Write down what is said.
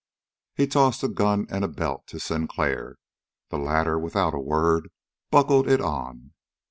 Here he tossed a gun and belt to Sinclair. The latter without a word buckled it on.